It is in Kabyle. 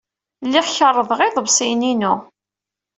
Lliɣ kerrḍeɣ iḍebsiyen-inu.